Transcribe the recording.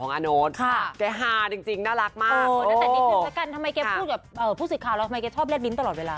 ตั้งแต่นิดหนึ่งแล้วกันทำไมแกพูดอย่างผู้สิทธิ์ข่าวแล้วทำไมแกชอบแรดลิ้นตลอดเวลา